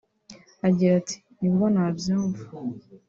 Agira ati “Nibwo nabyumva